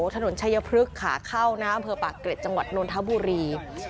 ถนนชายพลึกค่ะเข้านะครับเผลอปากเกร็ดจังหวัดนทบุรี